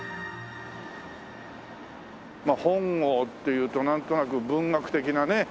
本郷っていうとなんとなく文学的なね